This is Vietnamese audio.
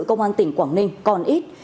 công an tỉnh quảng ninh còn ít